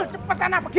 cepat sana pergi